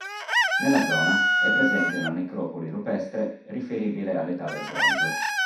Nella zona è presente una necropoli rupestre riferibile all'Età del Bronzo.